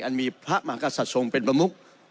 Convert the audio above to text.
มีพระมหากษัตริย์ทรงเป็นประมุก